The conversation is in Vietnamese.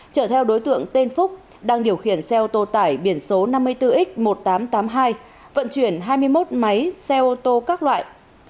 chở theo đối tượng tên phúc đang điều khiển xe ô tô tải biển số năm mươi bốn x một nghìn tám trăm tám mươi hai vận chuyển hai mươi một máy xe ô tô các loại